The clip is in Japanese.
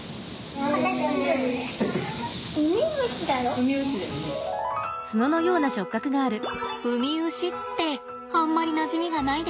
ウミウシってあんまりなじみがないですか？